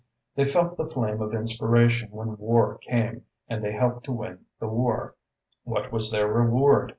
They felt the flame of inspiration when war came and they helped to win the war. What was their reward?